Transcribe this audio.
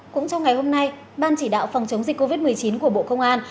cũng trong ngày hôm nay ban chỉ đạo phòng chống dịch covid một mươi chín của bộ công an